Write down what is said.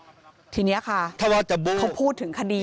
ชาวบ้านในพื้นที่บอกว่าปกติผู้ตายเขาก็อยู่กับสามีแล้วก็ลูกสองคนนะฮะ